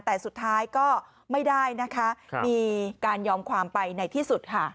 แต่สุดท้ายก็ไม่ได้นะคะมีการยอมความไปในที่สุดค่ะ